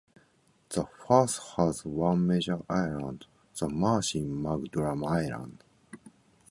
The firth has one major island, the marshy Mugdrum Island.